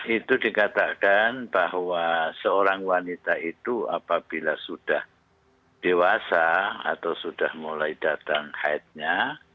itu dikatakan bahwa seorang wanita itu apabila sudah dewasa atau sudah mulai datang haidnya